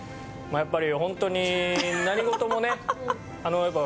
やっぱり。